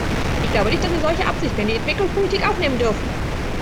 Ich glaube nicht, dass wir solche Absichten in die Enwicklungspolitik aufnehmen dürfen.